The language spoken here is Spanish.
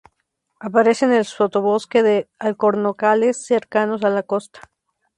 Aparece en el sotobosque de alcornocales cercanos a la costa.